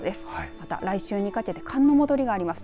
また来週にかけて寒の戻りがあります。